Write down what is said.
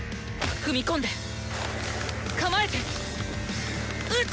踏み込んで構えてうつ！